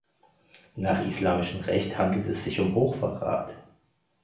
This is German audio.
Nach islamischem Recht handelt es sich um Hochverrat.